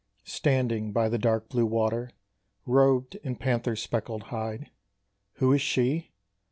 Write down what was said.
Standing by the dark blue water, Robed in panther's speckled hide, Who is she?